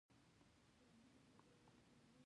پخو ملګرو سره راز شریکېږي